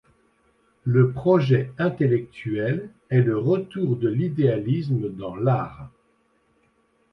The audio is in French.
Le projet intellectuel est le retour de l'idéalisme dans l'art.